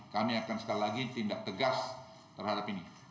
kami akan sekali lagi tindak tegas terhadap ini